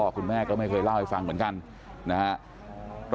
คุณแม่ก็ไม่เคยเล่าให้ฟังเหมือนกันนะครับ